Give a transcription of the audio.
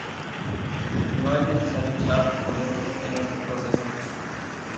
No es necesario usar fundente en este proceso.